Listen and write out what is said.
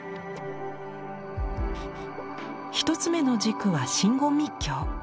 一つ目の軸は真言密教。